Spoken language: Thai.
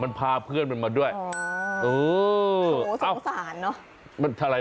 มันมากับเพื่อนมันพาเพื่อนมันมาด้วย